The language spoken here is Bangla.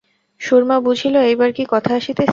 সুরমা বুঝিল, এইবার কী কথা আসিতেছে।